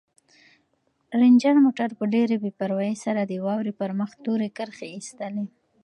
رنجر موټر په ډېرې بې پروايۍ سره د واورې پر مخ تورې کرښې ایستلې.